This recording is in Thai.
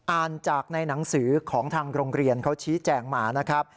อ่านจากในหนังสือของทางโรงเรียนเขาชี้แจงมานะครับ